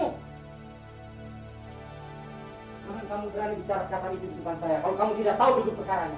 tidak mungkin kamu berani bicara sekat satunya di depan saya kalau kamu tidak tahu duduk perkaranya